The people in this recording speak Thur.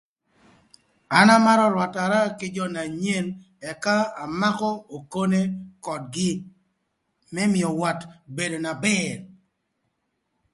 An amarö rwatara kï jö na nyen ëka amakö okone ködgï më mïö wat bedo na bër